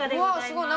すごい。